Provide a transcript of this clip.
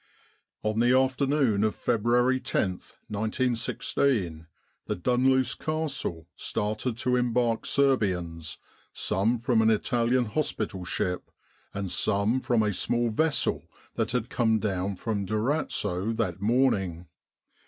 "On the afternoon of February loth, 1916, the Dunluce Castle started to embark Serbians, some from an Italian hospital ship, and some from a small vessel that had come down from Durazzo that morning.